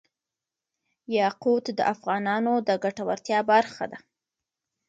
یاقوت د افغانانو د ګټورتیا برخه ده.